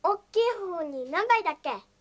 ほうになんばいだっけ？